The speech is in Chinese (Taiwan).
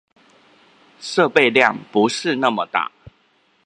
設備量不是那麼大